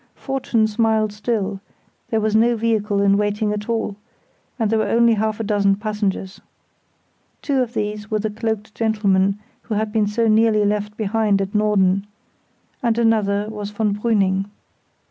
Fortune smiled still; there was no vehicle in waiting at all, and there were only half a dozen passengers. Two of these were the cloaked gentlemen who had been so nearly left behind at Norden, and another was von Brüning.